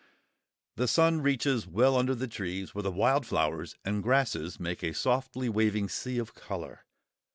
The sun reaches well under the trees, where the wild flowers and grasses make a softly waving sea of colour.